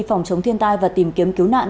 phòng chống thiên tai và tìm kiếm cứu nạn